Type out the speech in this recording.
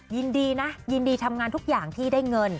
ยินดีนะยินดีทำงานทุกอย่างที่ได้เงิน